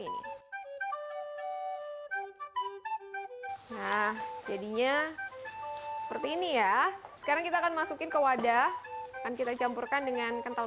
ini nah jadinya seperti ini ya sekarang kita akan masukin ke wadah akan kita campurkan dengan kental